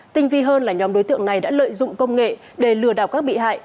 tinh vi hơn là nhóm đối tượng này đã lợi dụng công nghệ để lừa đảo các bị hại